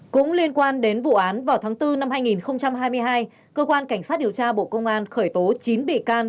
cũng liên quan đến vụ án vào tháng bốn năm hai nghìn hai mươi hai cơ quan cảnh sát điều tra bộ công an khởi tố chín bị can